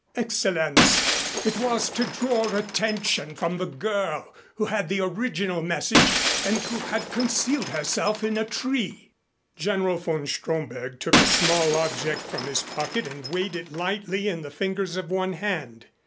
"Excellenz, it was to draw attention from the girl, who had the original message and who had concealed herself in a tree." General von Stromberg took a small object from his pocket and weighed it lightly in the fingers of one hand.